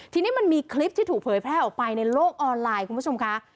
ทีนี้มันมีคลิปที่ถูกเผยแพร่ออกไปในโลกออนไลน์คุณผู้ชมค่ะ